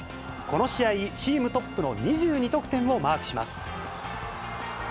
この試合、チームトップの２２得点をマークします。